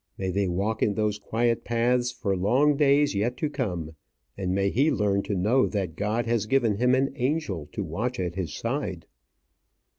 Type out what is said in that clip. May they walk in those quiet paths for long days yet to come; and may he learn to know that God has given him an angel to watch at his side!